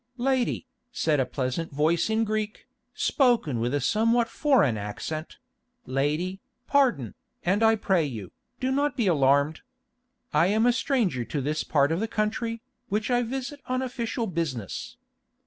"Lady," said a pleasant voice in Greek, spoken with a somewhat foreign accent—"lady, pardon, and I pray you, do not be alarmed. I am a stranger to this part of the country, which I visit on official business.